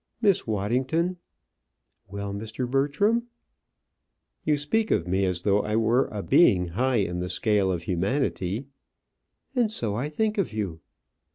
"Miss Waddington!" "Well, Mr. Bertram?" "You speak of me as though I were a being high in the scale of humanity " "And so I think of you."